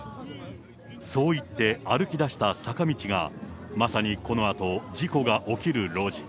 そう言って、歩きだした坂道が、まさにこのあと、事故が起きる路地。